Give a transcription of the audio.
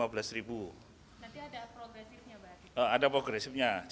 nanti ada progresifnya pak